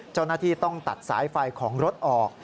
เจ้าหน้าที่ต้องตัดสายไฟของรถออก